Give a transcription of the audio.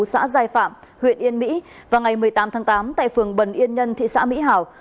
xã giai phạm huyện yên mỹ và ngày một mươi tám tháng tám tại phường bần yên nhân thị xã mỹ hảo